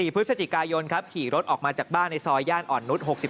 พฤศจิกายนครับขี่รถออกมาจากบ้านในซอยย่านอ่อนนุษย์๖๒